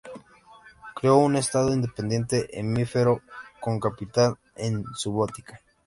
Creó un estado independiente efímero, con capital en Subotica.